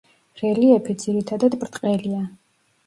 რელიეფი ძირითადად ბრტყელია.